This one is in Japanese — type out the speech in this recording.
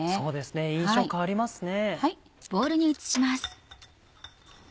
印象変わりますね。